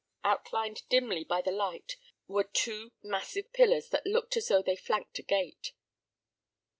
Outlined dimly by the light were two massive pillars that looked as though they flanked a gate.